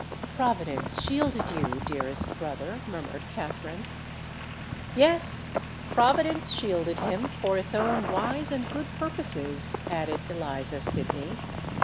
"Providence shielded you, dearest brother," murmured Katherine. "Yes—Providence shielded him for its own wise and good purposes," added Eliza Sydney.